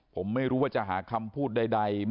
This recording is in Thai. ผมไม่รู้ว่าจะหาคำพูดใด